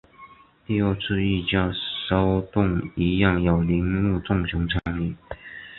第二次御家骚动一样有铃木正雄参与。